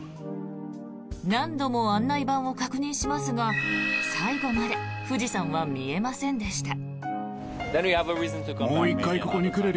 何度も案内板を確認しますが最後まで富士山は見えませんでした。